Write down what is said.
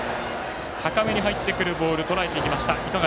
高めに入ってくるボールとらえてきました。